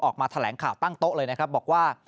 ออกมาแถลงข่าวตั้งโต๊ะเลยนะครับบอกว่า